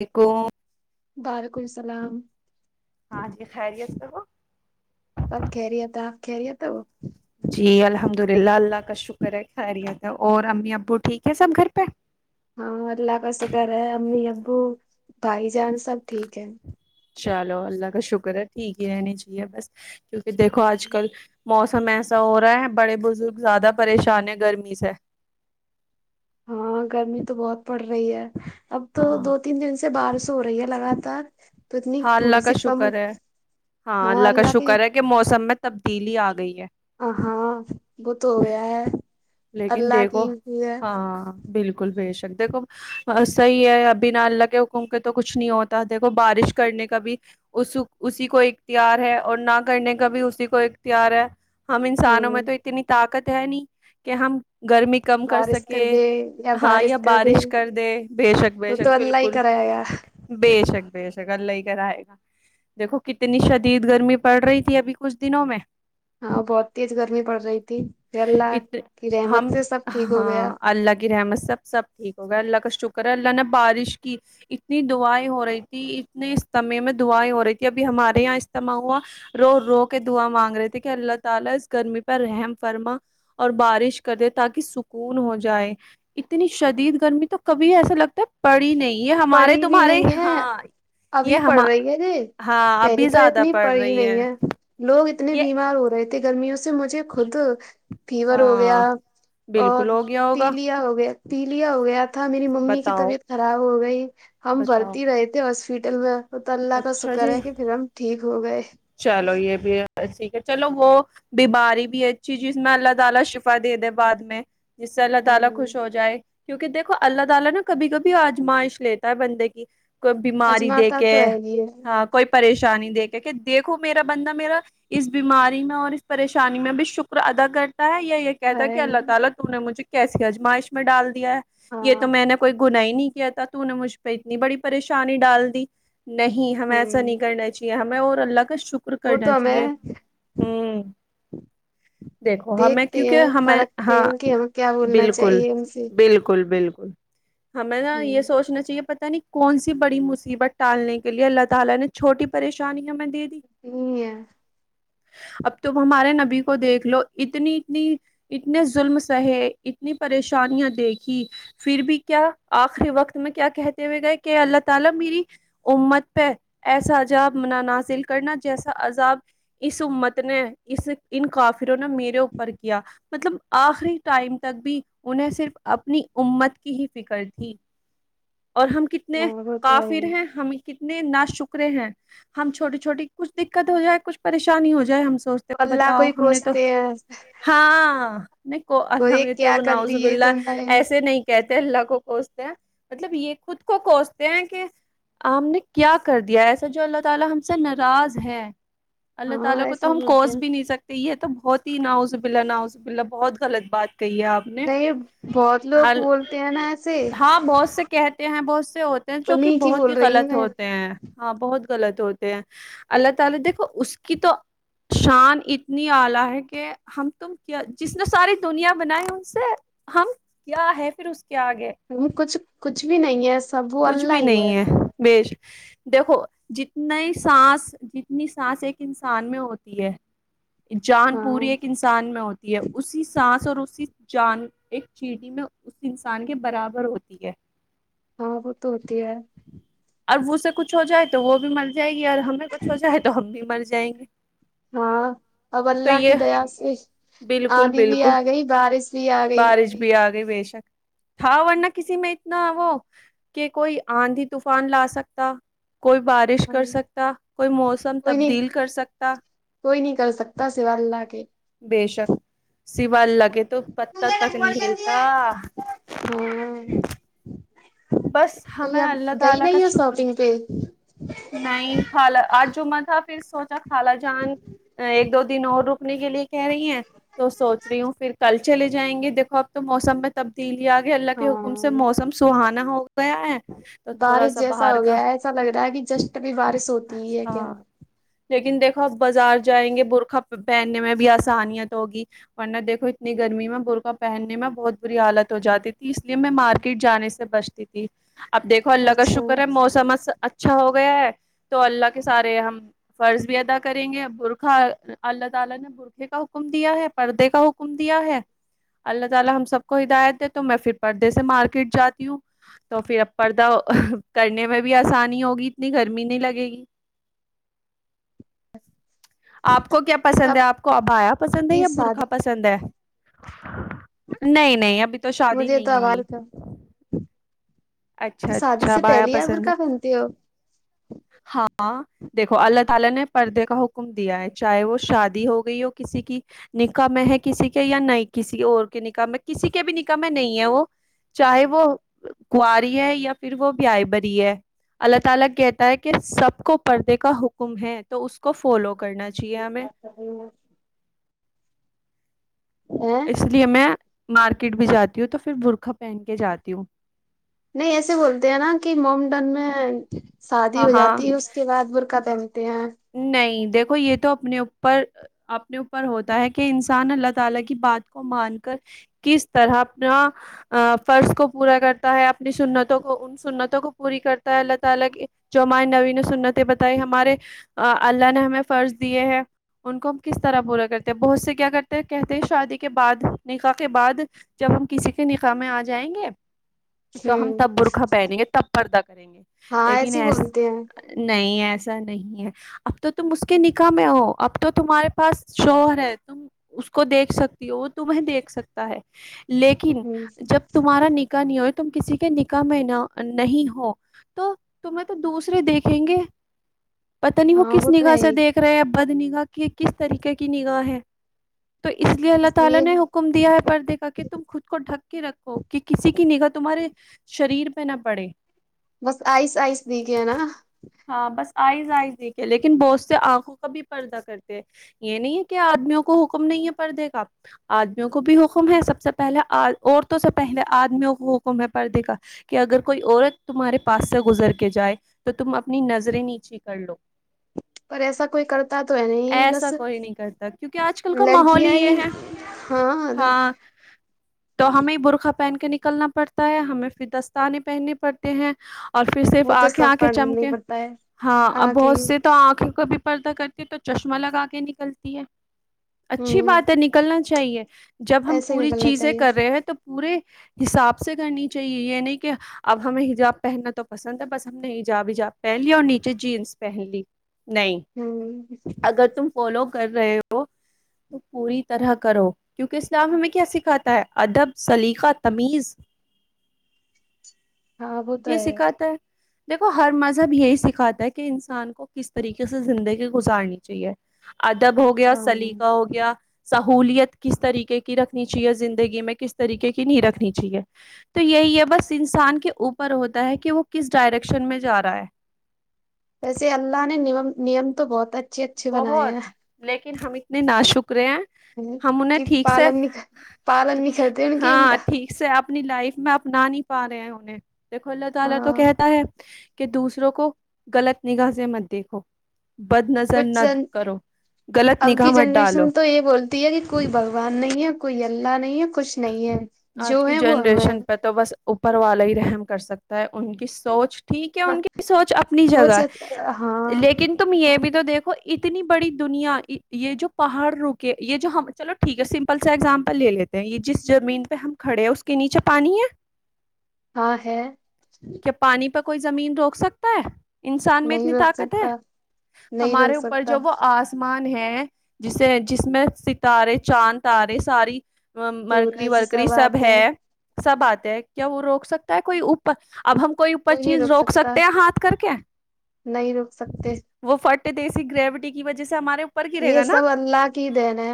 eco وعلیکم السلام ہاں جی خیریت سے ہو خیریت آپ خیریت ہو جی الحمد للہ اللہ کا شکر ہے خیریت ہے اور امی ابو ٹھیک ہے سب گھر پہ ہاں اللہ کا شکر ہے امی ابو بھائی جان سب ٹھیک ہے چلو اللہ کا شکر ہے ٹھیک ہی رہنی چاہیے بس کیونکہ دیکھو آج کل موسم ایسا ہو رہا ہے بڑے بزرگ زیادہ پریشان ہیں گرمی سے ہاں گرمی تو بہت پڑ رہی ہے اب تو ہاں دو تین دن سے بارش ہو رہی ہے لگاتار تو اتنی ہاں اللہ تھوڑی کا سی کم شکر ہے ہاں اللہ کا شکر ہے کہ موسم میں تبدیلی آ گئی ہے اں ہاں بہت ہو گیا ہے لیکن اللہ دیکھو کی ہی ہے ہاں بالکل بے شک دیکھو صحیح ہے ابھی نہ اللہ کے انکے تو کچھ نہیں ہوتا دیکھو بارش کرنے کا بھی اس اسی کو اختیار ہے اور نہ کرنے کا بھی اسی کو اختیار ہے ہم انسانوں میں ہوں تو اتنی طاقت ہے نہیں کہ ہم گرمی کم کر سکے ہاں یا بارش کر دے بیشک وہ تو بیشک اللہ ہی بالکل کرائے گا بے شک بے شک اللہ ہی کرائے گا دیکھو کتنی شدید گرمی پڑ رہی تھی ابھی کچھ دنوں میں ہاں بہت تیز گرمی پڑ رہی تھی یا اللہ ات کی ہم رحمت سے سب ٹھیک ہو گیا ہاں اللہ کی رحمت سب سب ٹھیک ہوگا اللہ کا شکر ہے اللہ نے بارش کی اتنی دعائیں ہو رہی تھی اتنے اجتمے میں دعائیں ہو رہی تھی ابھی ہمارے یہاں اجتماع ہوا رو رو کے دعا مانگ رہے تھے کہ اللہ تعالی اس گرمی پر رحم فرما اور بارش کر دے تاکہ سکون ہو جائے اتنی شدید گرمی تو کبھی ایسا لگتا ہے پڑھی نہیں ہے ہمارے پڑی بھی تمہارے نہیں ہے ہاں ابھی یہ ہم پڑھ رہی ہے رے ہاں پہلے ابھی تو زیادہ اتنی پڑ پڑی رہی نہیں ہے لوگ اتنے یہ بیمار ہو رہے تھے گرمیوں سے مجھے خود فیور ہو گیا ہاں اور بالکل ہو گیا ہوگا تیلیا ہو گیا تیلیا ہو گیا تھا میری ممی کی بتاؤ طبیعت خراب ہو گئی ہم بتاؤ بھرتی رہے تھے ہاسپٹل میں وہ تو اللہ کا اچھا شکر جی ہے کہ پھر ہم ٹھیک ہو گئے چلو یہ بھی ٹھیک ہے چلو وہ بیماری بھی اچھی جس میں اللہ تعالی شفا دے دے بعد میں جس سے اللہ تعالی ہاں خوش ہو جائے کیونکہ دیکھو اللہ تعالی نا کبھی کبھی آزمائش لیتا ہے بندے کی کوئی بیماری دے اجماتا کے تو ہے ہی ہاں کوئی پریشانی دے کے کہ دیکھو میرا بندہ میرا اس بیماری میں اور اس پریشانی میں بھی شکر ادا کرتا ہے یا کہتا کہ ہے اللہ تعالی تو نے مجھے کیسی ازمائش میں ڈال دیا ہے یہ ہاں تو میں نے کوئی گناہ ہی نہیں کیا تھا تو مجھ ے اتنی بڑی پریشانی ڈال دی نہیں ہمیں ایسا نہیں ہوں کرنا چاہیے ہمیں اور اللہ کا شک ر وہ کرنا تو چاہیے ہمیں ہوں دیکھو ہمیں دیکھتے کیونکہ ہیں ہمیں پرکھتے ہاں ہیں کہ ہمیں کیا بولنا بالکل چاہیے ان سے بالکل بالکل ہمیں ہ نا یہ سوچنا چاہیے پتا نہیں کون سی بڑی مصیبت ٹالنے کے لیے اللہ تعالی نے چھوٹی پریشانی ہمیں دے دی صحیح ہے اب تم ہمارے نبی کو دیکھ لو اتنی اتنی اتنے ظلم سہے اتنی پریشانیاں دیکھی پھر بھی کیا آخری وقت میں کیا کہتے ہوئے گئے کہ اللہ تعالی میری امت پہ ایسا عجاب نہ نازل کرنا جیسا عذاب اس امت نے اس ان کافروں نے میرے اوپر کیا مطلب آخری ٹائم تک بھی انہیں صرف اپنی امت کی ہی فکر تھی اور ہم کہ اتنے ہاں وہ تو ہے کافر ہی ہیں ہم کتنے نا شکرے ہیں ہم چھوٹے چھوٹی کچھ دکت ہو جائے کچھ پریشانی ہو جائے ہم سوچ اللہ کو ہی کوستے ہیں ہاں میں کو اور اللہ یہ میاں تو کیا کر بناؤ نوز دیے باللہ تم نے ایسے نہیں کہتے ہیں اللہ کو کوستے ہیں مطلب یہ خود کو کوستے ہیں کہ ہم نے کیا کر دیا ایسا جو اللہ تعالی ہم سے ناراض ہے اللہ ہاں تعالی کو تو ایسا ہم بولتے کوس ہیں بھی نہیں سک تو یہ تو بہت ہی نعوذ باللہ نعوذ باللہ بہت غلط بات کہی آپ نے نہیں بہت لوگ حل بولتے ہیں نا ایسے ہاں بہت سے کہتے ہیں بہت سے ہوتے ہیں جو کہ انہیں کی بہت ہی بول رہی ہوں غلط میں ہوتے ہیں ہاں بہت غلط ہو تے ہیں اللہ تعالی دیکھو اس کی تو شان اتنی اعلی ہے کہ ہم تم کیا جس نے ساری دنیا بنائی ان سے ہم کیا ہے پھر اس کے آگے کچھ کچھ بھی نہیں ہے اس کچھ بھی نہیں ہے بے شک دیکھو جتنی سانس جتنی سانس ایک انسان میں ہوتی ہے جان ہاں پوری ایک انسان میں ہو اسی سانس اور اسی جان ایک چیٹی میں اس انسان کے برابر ہوتی ہے ہاں وہ تو ہوتی ہے اب اسے کچھ ہو جائے تو وہ بھی مر جائے گی اور ہمیں کچھ ہو جائے تو ہم بھی مر جائیں گے ہاں اب تو اللہ کی یہ دیا سے بالکل آندھی بھی بالکل آ گئی بارش بھی آ گئی بارش بھی آ گئی بےشک تھا ورنہ کسی میں اتنا وہ کہ کوئی آندھی طو فان لا سکتا کوئی بارش کر کوئی سکتا کوئی موسم نہیں تبدیل کر سکتا کوئی نہیں کر سکتا سوا اللہ کے بے شک سوائے اللہ کے تو پتہ تک نہیں ہلتا ہاں بس ابھی ہمیں آپ اللہ گئی تعالی کا نہیں ہو شکر شاپنگ پہ نہیں خالا آج جمعہ تھا پھر سوچا خالا جان ایک دو دن اور رکنے کے لیے کہہ رہی ہیں تو سوچ رہی ہوں پھر کل چلے جائیں گے دیکھو اب تو موسم میں تبدیلی آگئی اللہ کے حکم سے ہاں موسم سہانا ہو گیا ہے تو تھوڑا بارش سا جیسا باہر ہو کا گیا ہے ایسا لگ رہا ہے کہ جسٹ ابھی بارش ہوتی ہی ہے اچھا کیا لیکن دیکھو اب بازار جائیں گے برقعہ پہننے میں بھی آسانیت ہوگی ورنہ دیکھو اتنی گرمی میں برقعہ پہننے میں بہت بری حالت ہو جاتی تھی اس لیے میں مارکیٹ جانے سے بچ تی تھی اب دیکھو اللہ کا اچھا شکر ہے موسم اس اچھا ہو گیا ہے تو اللہ کے سارے ہم فرض بھی ادا کریں گے برقعہ اللہ تعالی نے برقعے کا حکم دیا ہے پردے کا حکم دیا ہے اللہ تعالی ہم سب کو ہدایت دے تو میں پھر پردے سے مارکیٹ جاتی ہوں تو پھر اب پردہ کرنے میں بھی آسانی ہو بی اتنی گرمی نہیں لگے گی آپ کو کیا پسند ہے آپ کو ابھایا پسند ہے کی یا برقعہ شادی پسند ہے نہیں نہیں ابھی تو شادی مجھے تو نہیں ہوئی آوار تھا اچھا تو شادی اچھا سے ابایا پہلے آپ پسند ہے برقع پہنتے ہو ہاں دیکھو اللہ تعالی نے پردے کا حکم دیا ہے چاہے وہ شادی ہو گئی ہو کسی کی نکاح میں ہے کسی کے یا نہیں کسی اور کے نکاح میں کسی کے بھی نکاح میں نہیں ہے وہ چاہے وہ کواری ہے یا پھر وہ بیائے بری ہے اللہ تعالی کہتا ہے کہ سب کو پردے کا حکم ہے تو اس کو فالو کرنا چی یا میں [unintelligible] ا اس لیے میں مارکیٹ بھی جاتی ہوں تو پھر برقعہ پہن کے جاتی ہوں نہیں ایسے بولتے ہیں نا کہ مومڈن میں شادی ہاں ہو ہاں جاتی ہے اس اس کے بعد برقع پہنتے ہیں نہیں دیکھو یہ تو اپنے اوپر اپنے اوپر ہوتا ہے کہ انسان اللہ تعالی کی بات کو مان کر کس طرح اپنا فرض ا کو پورا کرتا ہے اپنی سنتوں کو سنتوں کو پوری کرتا ہے اللہ تعالی کی جو ہمارے نبی نے سنتیں بتائی ہمارے اللہ نے ہمیں فرض دیے ہے ان کو ہم کس طرح پورا کرتے ہیں بہت سے کیا کرتے ہیں کہتے ہیں شادی کے بعد نکاح کے بعد جب ہم کسی کے نکاح میں آ جائیں گے تو ہم ہوں تب برقعہ پہنیں گے تب پردہ کریں گے ہاں لیکن ایسے ہی ایس بولتے ہیں نہیں ایسا نہیں ہے اب تو تم اس کے نکاح میں ہو اب تو تمہارے پاس شوہر ہے تم اس کو دیکھ سکتی ہو وہ تمیں دیکھ سکتا ہے لیکن ہ جب تمہارا نکاح نہیں ہو تم کسی کے نکاح میں نہ نہیں ہو تو تمہیں تو دوسرے دیکھیں گے پتا نہیں وہ ہاں کس تو نگاہ ہے سے ہی دیکھ رہے ہیں بد نگاہ کے کس طریقے کی نگاہ ہے تو اس لیے اللہ تعالی نے حک م دیا ہے پردے کہ تم خود کو ڈھک کے رکھو کہ کسی کی نگاہ تمہارے شریر پہ نہ پڑے بس آئس آئس دیکھے نہ ہاں بس آئیز آئیز دیکھ ہے لیکن بہت سے آنکھوں کا بھی پردہ کرتے یہ نہیں ہے کہ آدمیوں کو حکم نہیں ہے پردے کا آدمیوں کو بھی حکم ہے سب سے پہلے اد عورتوں سے پہلے آدمیوں کو حکم ہے پردے کا کہ اگر کوئی عورت تمہارے پاس سے گزر کے جائے تو تم اپنی نظریں نیچے کر لو پر ایسا کوئی کرتا تو ہے نہیں ایسا بس کوئی نہیں کرتا کیونکہ آج کل کا ماحول لڑکیاں ہی یہ ہے ہاں اگر ہاں تو ہمیں برقعہ پہن کے نکلنا پڑتا ہے ہمیں پھر دستانے پہننے پڑتے ہیں اور پھر صرف وہ تو آنکھیں سب آنکھیں پڑھنا چمکے ہی پڑتا ہے ہاں اب آ کے بہت سے تو آنکھیں کو بھی پردہ کرتی تو چشمہ لگا کے نکلتی ہے اچھی ہوں بات ہے نک لنا چاہیے جب ہم ایسے ہی پوری نکلنا چیزیں چاہیے کر رہے ہیں تو پورے حساب سے کرنی چاہیے یعنی کہ اب ہمیں حجاب پہننا تو پسند ہے بس ہم نے حجاب وجاب پہن لیا اور نیچے جینس پہلی نہیں ہاں اگر تم فالو کر رہے ہو تو پوری طرح کرو کیونکہ اسلام ہمیں کیا سکھاتا ہے ادب سلیقہ تمیز ہاں وہ تو یہ سکھاتا ہے دیکھو ہر مذہب یہی سکھاتا ہے کہ ان سان کو کس طریقے سے زندگی گزارنی چاہیے ادب ہو گیا ہاں سلیقہ ہو گیا سہولیت کس طریقے کی رکھنی چاہیے زندگی میں کس طریقے کی نہیں رکھنی چاہیے تو یہی ہے بس انسان کے اوپر ہوتا ہے کہ وہ کس ڈائریکشن میں جا رہا ہے ویسے اللہ نے نیم نیم تو بہت ا بہت لیکن ہم اتنے نا شکرے ہیں ہم انہیں کہ ٹھیک سے پالن نہیں پالن نہیں کرتے ان کی ان کا ہاں ٹھیک سے اب اپنی لائف میں اپنا نہیں پا رہے ہیں ہمیں دیکھو اللہ تعالی تو ہاں کہتا ہے کے دوسروں کو غلط نگاہ سے مت دیکھو بدنظ زن کچھ مت جن کرو غلط اب نگاہ کی مت ڈالو جنریشن تو بولتی یہ کہ کوئی بگھوان نہیں ہے کوئی اللہ نہیں ہے کچھ نہیں ہے آج جو کی ہے وہ ہم ہے جنریشن پہ تو بس اوپر والا ہی رحم کر سکتا ہے ان کی سوچ ٹھیک ہے ان کی سوچ اپنی سوچ جگہ ہاں لیکن تم یہ بھی تو دیکھو اتنی بڑی دنیا یہ جو پہاڑ روکے یہ جو ہم چلو ٹھیک ہے سمپل سے ایکزامپل لے لے نہیں یہ جس زمین پہ ہم کھڑے ہیں اس کے نیچے پانی ہے ہاں ہے کیا پانی پر کوئی زمین روک سکتا ہے انسان میں نہیں اتنی روک طاقت ہے سکتا نہیں ہمارے روک اوپر سکتا جو وہ آس مان ہے جسے جس میں ستارے چاند تارے ساری مرکری سورج ورکری سب آتے ہیں ہے سب آتے ہے کیا وہ روک سکتا ہے کوئی اوپر اب ہم کوئی اوپر چیز روک سکتے ہیں ہاتھ کر کے نہیں روک سکتے وہ فٹے دیسی گریوٹی کی وجہ سے ہمارے اوپر گرے یہ گا نا سب الله کی دین ہے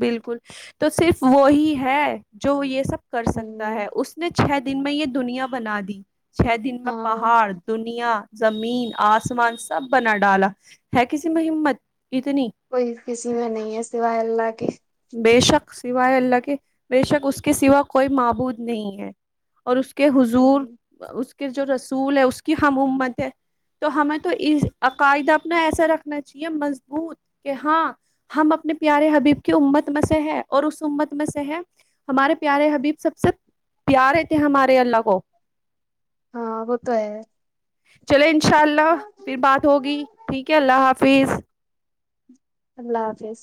بالکل تو صرف وہی ہے جو یہ سب کر ہ سکتا ہے اس اس نے چھ دن میں یہ دنیا بنا دی چھ دن میں ہاں پہاڑ دنیا زمین آسمان سب بنا ڈالا ہے کسی میں ہمت اتنی کوئی کسی میں نہیں ہے سوائے اللہ کے بے شک سوائے اللہ کے بے شک اس کے سوا کوئی معبود نہیں ہے اور اس کے حضور ہوں اس کے جو رسول ہے اس کی ہم امت ہے تو ہمیں تو اس عقاعدہ اپنا ایسا رکھنا چاہیے مضبوط کہ ہاں ہم اپنے پیارے حبیب امت میں سے ہے اور اس امت میں سے ہے ہمارے پیارے حبیب سب سے پیارے تھے ہمارے اللہ کو ہاں وہ تو ہے چلے انشاء اللہ پھر بات ہوگی ٹھیک ہے اللہ حافظ اللہ حافظ